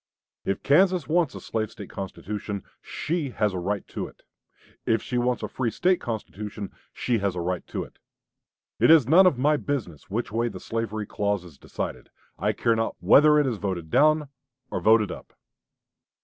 If Kansas wants a slave State constitution she has a right to it; if she wants a free State constitution she has a right to it. It is none of my business which way the slavery clause is decided. I care not whether it is voted down or voted up.